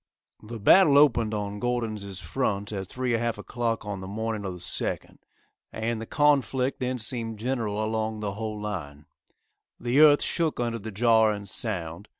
The battle opened on Gordon's front at 3 1/2 o'clock on the morning of the 2d, and the conflict then seemed general along the whole line. The earth shook under the jar and sound.